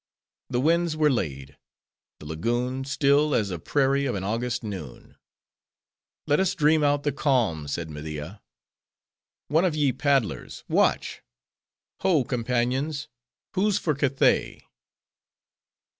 The winds were laid; the lagoon, still, as a prairie of an August noon. "Let us dream out the calm," said Media. "One of ye paddlers, watch: Ho companions! who's for Cathay?"